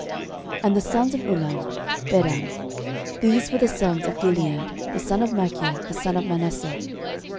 13:007:017 And the sons of Ulam; Bedan. These were the sons of Gilead, the son of Machir, the son of Manasseh.